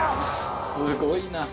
すごいな。